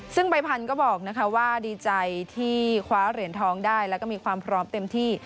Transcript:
ซึ่งใบพันธุ์ก็บอกว่าดีใจที่คว้าเหรียญทองได้แล้วก็มีความพร้อมเต็มที่